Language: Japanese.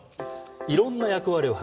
いろんな役割を果たす。